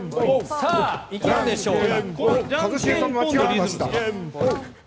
さあ、いけるでしょうか。